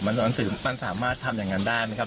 มันสามารถทำอย่างนั้นได้ไหมครับ